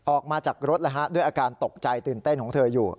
ออกมาจากรถด้วยอาการตกใจตื่นเต้นของเธออยู่